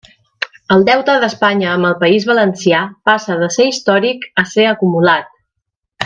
El deute d'Espanya amb el País Valencià passa de ser històric a ser acumulat.